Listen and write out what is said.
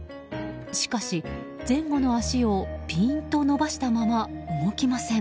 しかし、前後の足をピーンと伸ばしたまま動きません。